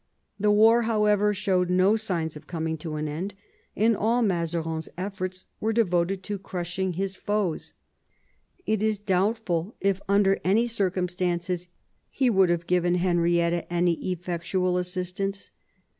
The war, however, showed no signs of coming to an end, and all Mazarin's efforts were devoted to crushing his foes. It is doubtful if, under any circumstances, he would have given Henrietta any effectual assistance.